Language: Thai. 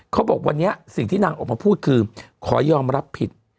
เขาบอกวันนี้สิ่งที่นางออกมาพูดคือขอยอมรับผิด